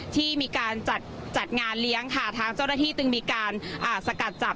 ที่มีการจัดงานเลี้ยงค่ะทางเจ้าหน้าที่จึงมีการสกัดจับ